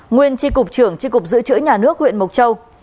nguyên tri cục trưởng tri cục dự trữ nhà nước huyện mộc châu